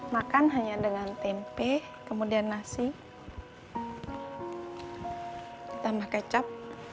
makan hanya dengan tempe kemudian nasi ditambah kecap